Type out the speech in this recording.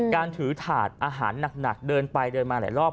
การถือถาดอาหารหนักเดินไปเดินมาหลายรอบ